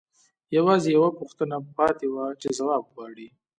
یوازې یوه پوښتنه پاتې وه چې ځواب غواړي